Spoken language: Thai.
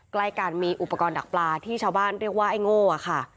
ใกล้กันมีอุปกรณ์ดักปลาที่ชาวบ้านเรียกว่าไอ้โง่ค่ะ